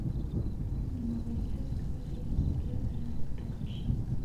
نوموړي هڅه کوله یو ځل بیا ویاند وټاکل شي.